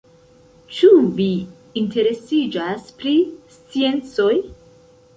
Ĉu vi interesiĝas pri sciencoj?